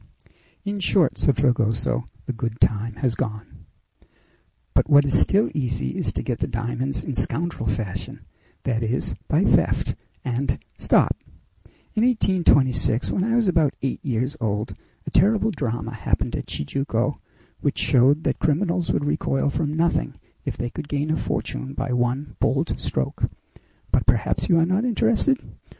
"In short," said Fragoso, "the good time has gone!" "But what is still easy is to get the diamonds in scoundrel fashion that is, by theft; and stop! in 1826, when I was about eight years old, a terrible drama happened at Tijuco, which showed that criminal would recoil from nothing if they could gain a fortune by one bold stroke. But perhaps you are not interested?"